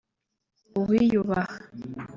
uwiyubaha